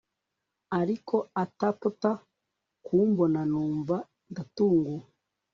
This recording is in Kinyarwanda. ariko atapta kumbona numva ndatunguwe